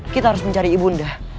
kita harus mencari ibunda